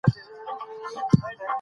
زمرد د افغان ماشومانو د لوبو موضوع ده.